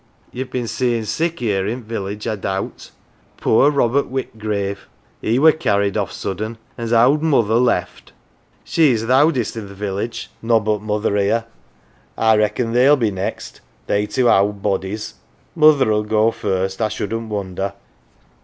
Ye'll have been seein' sick 'ere in village, I doubt. Poor Robert Whitgrave ! he were ^carried off sudden an's owd mother left. She's th' owdest i' th' village, nobbut mother 'ere. I reckon they'll be next, they two owd bodies mother'll go first, I shouldn't wonder."